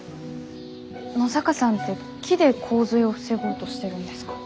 野坂さんって木で洪水を防ごうとしてるんですか？